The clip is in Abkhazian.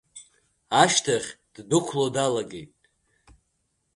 Ашьҭахь, ддәықәло далагеит.